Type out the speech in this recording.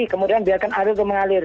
kemudian biarkan air itu mengalir